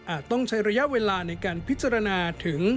ต้องใช้ระยะเวลาในการพิจารณาถึง